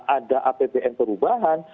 ada apbn perubahan